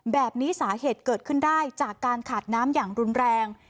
แบบนี้สาเหตุเกิดขึ้นได้จากการขาดน้ำอย่างรุนแรง